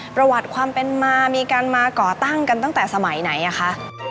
ประวัติความเป็นมามีการมาก่อตั้งกันตั้งแต่สมัยไหนอ่ะคะ